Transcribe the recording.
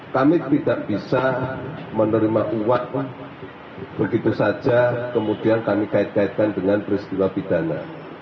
kami tidak bisa menerima uang begitu saja kemudian kami kait kaitkan dengan peristiwa pidana